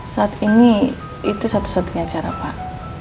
saat ini itu satu satunya cara pak